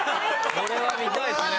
これは見たいですね！